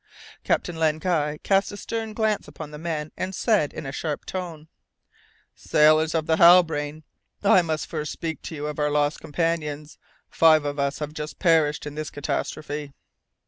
Captain Len Guy cast a stern glance upon the men and said in a sharp tone: "Sailors of the Halbrane, I must first speak to you of our lost companions. Five of us have just perished in this catastrophe."